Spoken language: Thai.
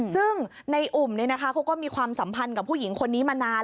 ซึ่งนายอุ่มเนี่ยนะคะเขาก็มีความสัมพันธ์กับผู้หญิงคนนี้มานาน